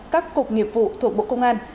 các cục nghiệp vụ thuộc bộ công an